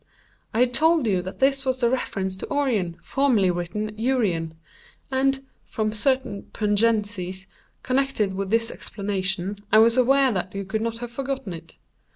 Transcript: "I had told you that this was in reference to Orion, formerly written Urion; and, from certain pungencies connected with this explanation, I was aware that you could not have forgotten it.